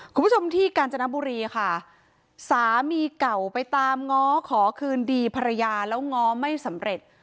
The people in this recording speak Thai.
คุณผู้ชมที่กาญจนบุรีค่ะสามีเก่าไปตามง้อขอคืนดีภรรยาแล้วง้อไม่สำเร็จ